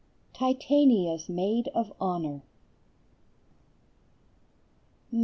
TITANIA'S MAID OF HONOR.